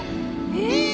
えっ！